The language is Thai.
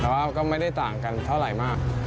แต่ว่าก็ไม่ได้ต่างกันเท่าไหร่มาก